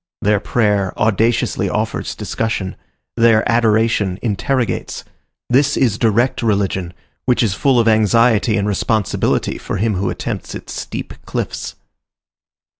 Their prayer audaciously offers discussion. Their adoration interrogates. This is direct religion, which is full of anxiety and responsibility for him who attempts its steep cliffs.